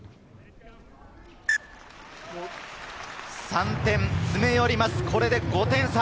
３点詰め寄ります、これで５点差。